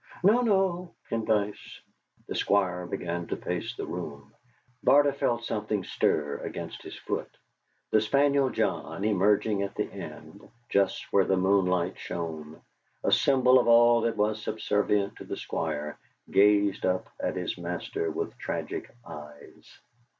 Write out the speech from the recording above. "No, no, Pendyce." The Squire began to pace the room, and Mr. Barter felt something stir against his foot; the spaniel John emerging at the end, just where the moonlight shone, a symbol of all that was subservient to the Squire, gazed up at his master with tragic eyes.